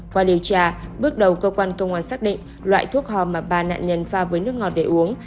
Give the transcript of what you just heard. qua điều tra bước đầu cơ quan công an xác định loại thuốc hò mà ba nạn nhân pha với nước ngọt để uống